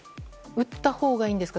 打ったほうがいいんですか？